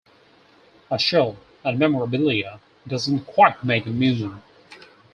A shell and memorabilia doesn't quite make a museum.